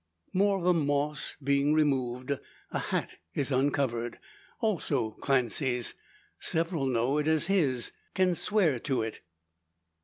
More of the moss being removed, a hat is uncovered also Clancy's. Several know it as his can swear to it.